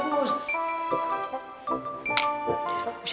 udah mau kemana lo ha